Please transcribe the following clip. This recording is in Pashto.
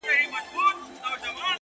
راباندي گرانه خو يې ـ